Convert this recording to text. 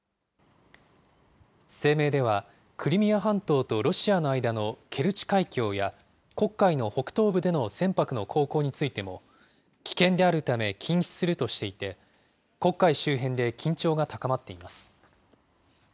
声明では、クリミア半島とロシアの間のケルチ海峡や、黒海の北東部での船舶の航行についても危険であるため、禁止するとしていて、黒海周辺で緊張が高まっています。